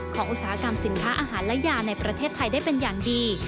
อุตสาหกรรมสินค้าอาหารและยาในประเทศไทยได้เป็นอย่างดี